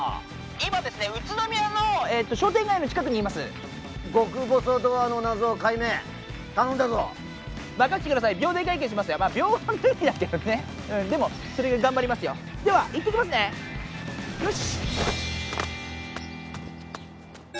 今ですね宇都宮のえっと商店街の近くにいます極細ドアの謎の解明頼んだぞ任せてください秒で解決しますよまあ秒は無理だけどねでもそれぐらい頑張りますよでは行ってきますねよし